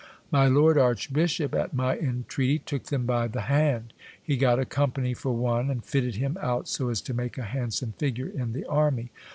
My lord archbishop, at my entreaty, took them by the hand He got a company for one, and fitted him out so as to make a handsome figure in the army.